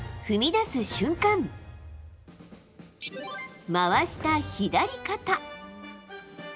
Ａ、踏み出す瞬間回した左肩。